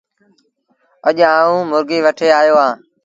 اَڄ آئوٚݩ مرگي وٺي آيو اهآݩ